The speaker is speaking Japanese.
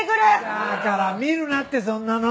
だから見るなってそんなの！